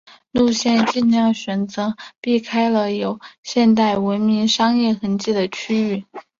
路线选择尽量的避开了有现代文明商业痕迹的区域。